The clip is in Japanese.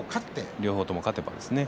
両方とも勝てばですね。